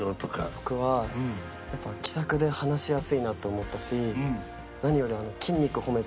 僕はやっぱ気さくで話しやすいなと思ったし何より。